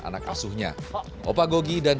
anak asuhnya opa gogi dan